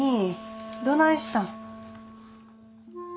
どないしたん？